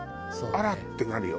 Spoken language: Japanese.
あら？ってなるの？